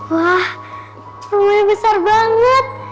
wah rumahnya besar banget